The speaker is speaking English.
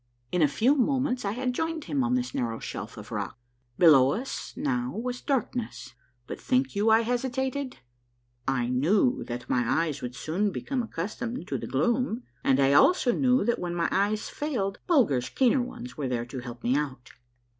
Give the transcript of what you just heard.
In a few moments I had joined him on this narrow shelf of rock. Below us now was darkness, but think you I hesitated ? I knew that my eyes would soon become accustomed to the gloom, and I also knew that when my eyes failed Bulger's keener ones were there to help me out.